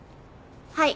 はい。